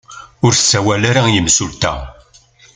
Ur ssawal ara i yimsulta.